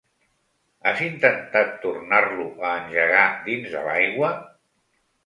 Has intentat tornar-lo a engegar dins de l'aigua?